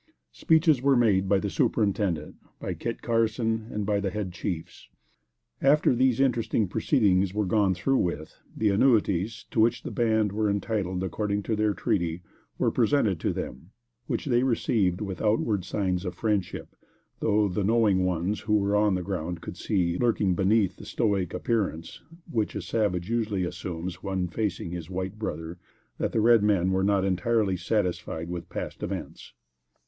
Speeches were made by the superintendent, by Kit Carson, and also by the head chiefs. After these interesting proceedings were gone through with, the annuities, to which the band were entitled according to their treaty, were presented to them, which they received with outward signs of friendship, though the knowing ones who were on the ground could see, lurking beneath that stoic appearance which a savage usually assumes when facing his white brother, that the red men were not entirely satisfied with past events.